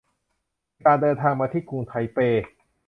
เดินทางมาที่กรุงไทเป